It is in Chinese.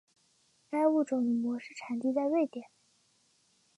该物种的模式产地在瑞典。